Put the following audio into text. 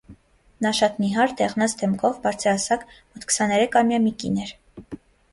Նա շատ նիհար, դեղնած դեմքով, բարձրահասակ, մոտ քսաներեքամյա մի կին էր: